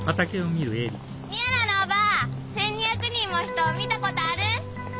宮良のおばぁ１，２００人も人見たことある？